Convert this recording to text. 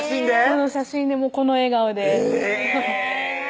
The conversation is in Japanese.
その写真でこの笑顔でえぇ！